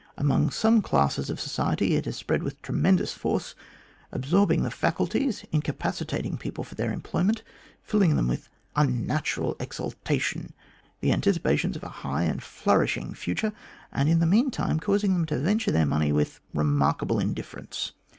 Among some classes of society it has spread with tremendous force, absorbing the faculties, incapacitating people for their employment, filling them with unnatural exaltation, with anticipations of a high and flourishing future, and in the meantime causing them to venture their money with remarkable indifference.